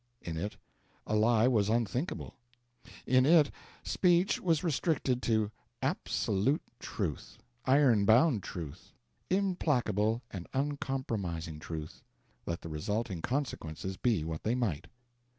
In it a lie was unthinkable. In it speech was restricted to absolute truth, iron bound truth, implacable and uncompromising truth, let the resulting consequences be what they might.